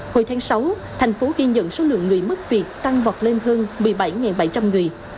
hồi tháng sáu thành phố ghi nhận số lượng người mất việc tăng vọt lên hơn một mươi bảy bảy trăm linh người